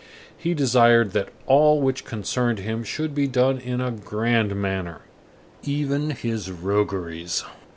He desired that all which concerned him should be done in a grand manner, even his rogueries.